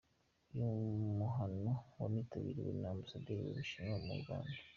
Uyu muhano wanitabiriwe na Ambasaderi w’Ubushinwa mu Rwanda.